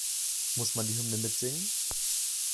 Muss man die Hymne mitsingen?